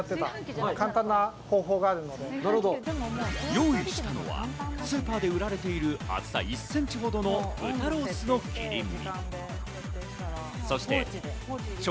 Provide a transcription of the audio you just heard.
用意したのは、スーパーで売られている厚さ１センチほどの豚ロースの切り身。